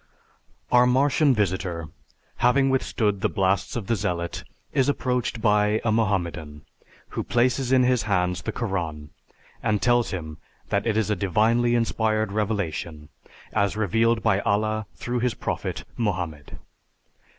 Our Martian visitor, having withstood the blasts of the Zealot, is approached by a Mohammedan who places in his hands the Koran and tells him that it is a divinely inspired revelation, as revealed by Allah through his prophet, Mohammed.